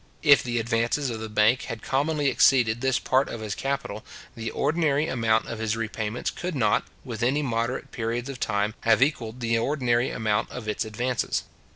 If the advances of the bank had commonly exceeded this part of his capital, the ordinary amount of his repayments could not, within moderate periods of time, have equalled the ordinary amount of its advances.